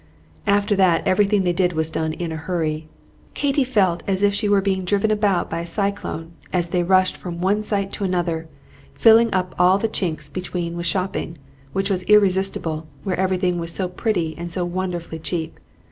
After that everything they did was done in a hurry. Katy felt as if she were being driven about by a cyclone, as they rushed from one sight to another, filling up all the chinks between with shopping, which was irresistible where everything was so pretty and so wonderfully cheap.